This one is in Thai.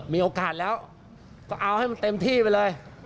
มีโอกาสแล้วก็เอาให้มันเต็มที่ไปเลย